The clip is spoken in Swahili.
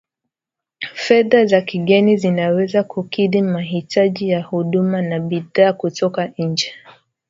fedha za kigeni zinaweza kukidhi mahitaji ya huduma na bidhaa kutoka nje